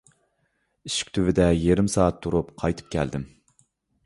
ئىشىك تۈۋىدە يېرىم سائەت تۇرۇپ قايتىپ كەلدىم.